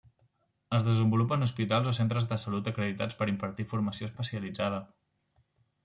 Es desenvolupa en hospitals o centres de salut acreditats per impartir formació especialitzada.